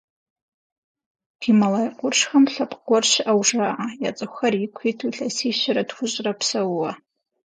Гималай къуршхэм лъэпкъ гуэр щыӏэу жаӏэ, я цӏыхухэр ику иту илъэсищэрэ тхущӏрэ псэууэ.